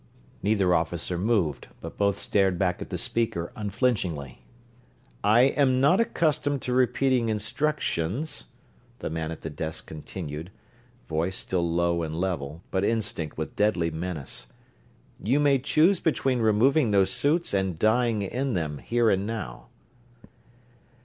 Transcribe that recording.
Neither officer moved, but both stared back at the speaker unflinchingly. "I am not accustomed to repeating instructions," the man at the desk continued; voice still low and level, but instinct with deadly menace. "You may choose between removing those suits and dying in them, here and now."